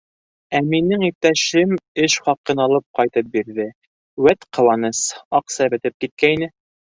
Ә минең иптәшем эш хаҡын алып ҡайтып бирҙе, үәт ҡыуаныс, аҡса бөтөп киткәйне.